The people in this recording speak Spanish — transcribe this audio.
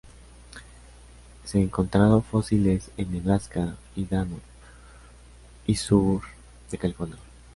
Se encontrado fósiles en Nebraska, Idaho y sur de California.